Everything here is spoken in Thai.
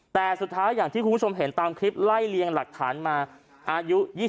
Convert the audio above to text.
แต่สุดท้ายอย่างที่คุณผู้ชมเห็นตามคลิปไล่เลียงหลักฐานมาอายุ๒๒